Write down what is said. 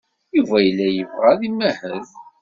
Yuba yella yebɣa ad imahel.